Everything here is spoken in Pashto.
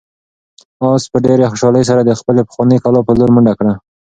آس په ډېرې خوشحالۍ سره د خپلې پخوانۍ کلا په لور منډه کړه.